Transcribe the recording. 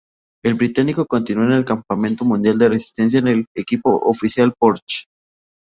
El británico continuó en el Campeonato Mundial de Resistencia en el equipo oficial Porsche.